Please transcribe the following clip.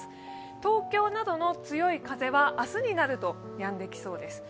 東京などの強い風は、明日になるとやんできそうです。